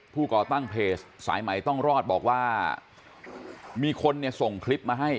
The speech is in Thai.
ก่อตั้งเพจสายใหม่ต้องรอดบอกว่ามีคนเนี่ยส่งคลิปมาให้